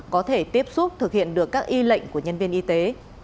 có thể tiếp xúc thực hiện được các y lệnh của nhân viên y tế